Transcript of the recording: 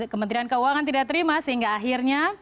kementerian keuangan tidak terima sehingga akhirnya